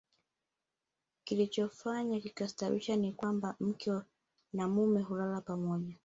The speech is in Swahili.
Kilichofanya likastaajabiwa ni kuwa mke na mume hulala pamoja